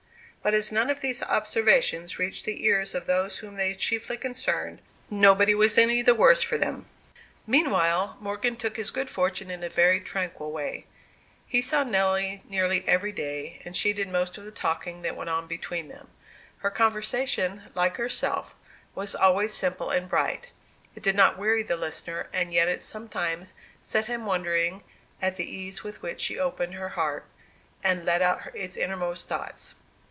But as none of these observations reached the ears of those whom they chiefly concerned, nobody was any the worse for them. Meanwhile, Morgan took his good fortune in a very tranquil way. He saw Nelly nearly every day, and she did most of the talking that went on between them. Her conversation, like herself, was always simple and bright; it did not weary the listener, and yet it sometimes set him wondering at the ease with which she opened her heart, and let out its inmost thoughts.